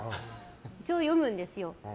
一応、読むんですよ。